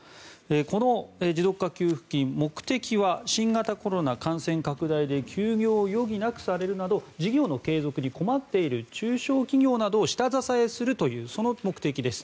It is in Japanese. この持続化給付金、目的は新型コロナ感染拡大で休業を余儀なくされるなど事業の継続に困っている中小企業などを下支えするというその目的です。